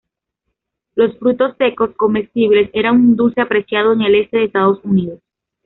Los frutos secos, comestibles, eran un dulce apreciado en el este de Estados Unidos.